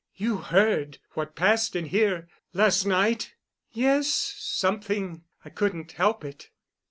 "You heard what passed in here—last night?" "Yes—something—I couldn't help it."